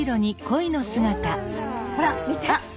ほら見て。